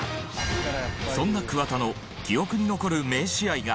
そんな桑田の記憶に残る名試合が。